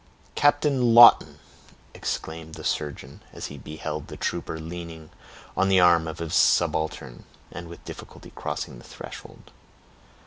"Captain Lawton!" exclaimed the surgeon, as he beheld the trooper leaning on the arm of his subaltern, and with difficulty crossing the threshold.